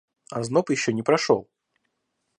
Озноб еще не прошел.